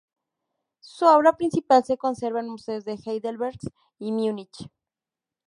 Su obra principal se conserva en museos de Heidelberg y Munich.